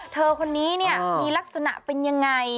เธอคนนี้เนี่ยมีลักษณะเป็นยังไง